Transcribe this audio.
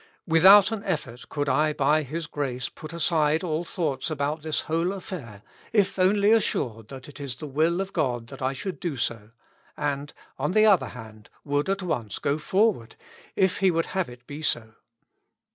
Without an effort could I by His grace put aside all thoughts about this whole affair, if only assured that it is the will of God that I should do so ; and, on the other hand, would at once go forward, if He would have it be so.